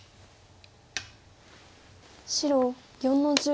白４の十。